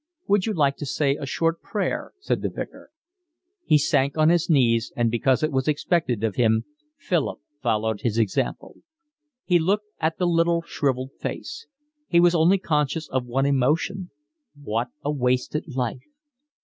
"Would you like to say a short prayer?" said the Vicar. He sank on his knees, and because it was expected of him Philip followed his example. He looked at the little shrivelled face. He was only conscious of one emotion: what a wasted life!